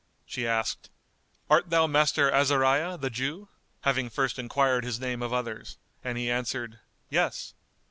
She asked, "Art thou Master Azariah[FN#200] the Jew?" having first enquired his name of others; and he answered, "Yes."